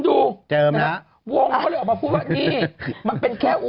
เด้งเป้า